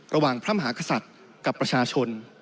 ระหว่างพระมหากษัตริย์กับประชาชน